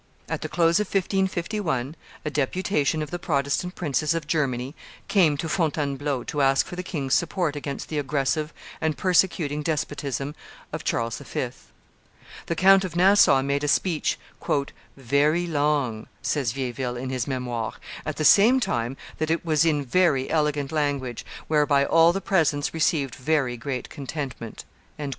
At the close of 1551, a deputation of the Protestant princes of Germany came to Fontainebleau to ask for the king's support against the aggressive and persecuting despotism of Charles V. The Count of Nassau made a speech "very long," says Vieilleville in his Memoires, "at the same time that it was in very elegant language, whereby all the presence received very great contentment."